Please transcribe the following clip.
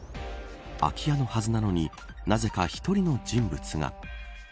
空き家のはずなのになぜか１人の人物が。